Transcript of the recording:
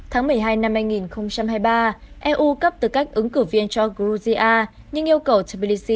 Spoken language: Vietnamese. tháng một mươi hai năm hai nghìn hai mươi ba eu cấp tư cách ứng cử viên cho georgia nhưng yêu cầu the